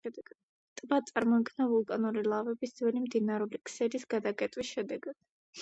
ტბა წარმოიქმნა ვულკანური ლავებით ძველი მდინარეული ქსელის გადაკეტვის შედეგად.